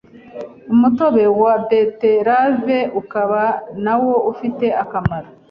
Umutobe wa Beterave ukaba na wo ufite akamaro